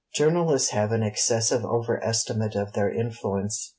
Journalists have an excessive overestimate of their influence.